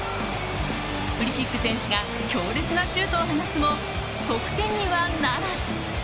プリシック選手が強烈なシュートを放つも得点にはならず。